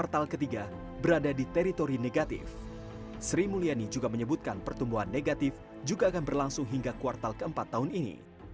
dan saya ingin menyebutkan pertumbuhan negatif juga akan berlangsung hingga kuartal keempat tahun ini